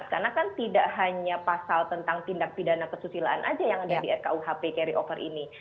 karena kan tidak hanya pasal tentang tindak pidana kesusilaan saja yang ada di rkuhp carry over ini